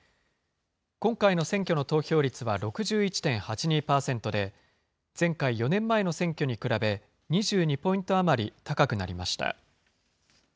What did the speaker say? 今回の選挙の投票率は６１．８２％で、前回４年前の選挙に比べ、２２ポイント余り高くなりました。